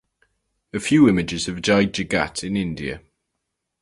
A few images of Jai Jagat in India